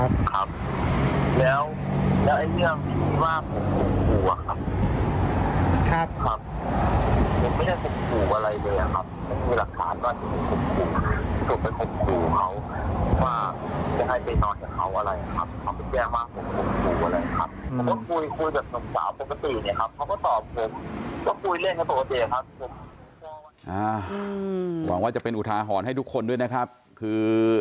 หวังว่าจะเป็นอุทาหรณ์ให้ทุกคนด้วยนะครับคือ